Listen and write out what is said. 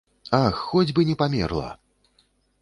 Ах, хоць бы не памерла!